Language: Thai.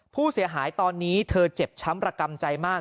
ผู้เสียหายตอนนี้เธอเจ็บช้ำระกำใจมาก